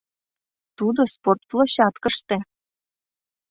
Тудо спортплощадкыште.